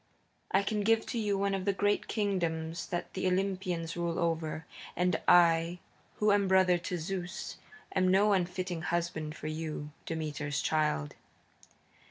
I can give to you one of the great kingdoms that the Olympians rule over. And I, who am brother to Zeus, am no unfitting husband for you, Demeter's child."